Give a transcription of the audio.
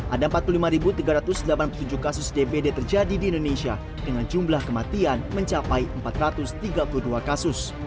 ada empat puluh lima tiga ratus delapan puluh tujuh kasus dbd terjadi di indonesia dengan jumlah kematian mencapai empat ratus tiga puluh dua kasus